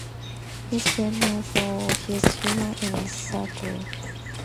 He is well known for his humor and satire.